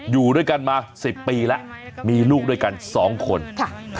อยู่ด้วยกันมา๑๐ปีแล้วมีลูกด้วยกันสองคนค่ะ